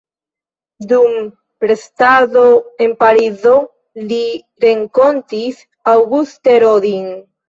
Dum restado en Parizo li renkontis Auguste Rodin.